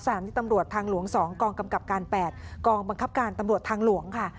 สททล๒กกก๘กบังคับการตำรวจทางหลวงค่ะ